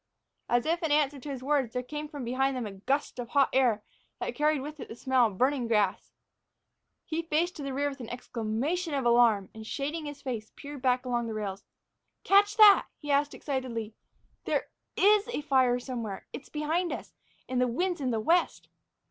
As if in answer to his words, there came from behind them a gust of hot air that carried with it the smell of burning grass. He faced to the rear with an exclamation of alarm and, shading his face, peered back along the rails. "Catch that?" he asked excitedly. "There is a fire somewheres; it's behind us. And the wind's in the west!"